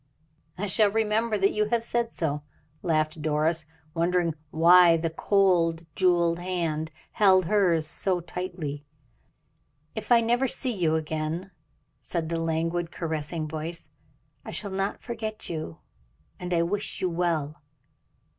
"I shall remember that you have said so," laughed Doris, wondering why the cold, jeweled hand held hers so tightly. "If I never see you again," said the languid, caressing voice, "I shall not forget you, and I wish you well."